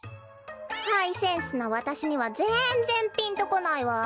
ハイセンスのわたしにはぜんぜんピンとこないわ。